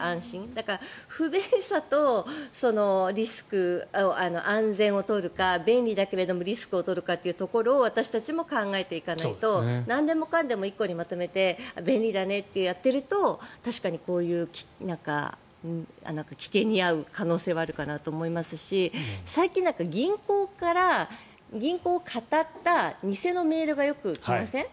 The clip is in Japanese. だから、不便さとリスク安全を取るか便利だけどリスクを取るかってところを私たちも考えていかないとなんでもかんでも１個にまとめて便利だねとやっていると確かにこういう危険に遭う可能性はあるかなと思いますし最近、銀行から銀行をかたった偽のメールがよく来ません？